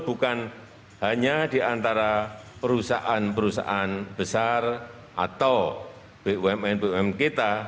bukan hanya di antara perusahaan perusahaan besar atau bumn bumn kita